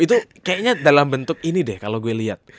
itu kayaknya dalam bentuk ini deh kalau gue lihat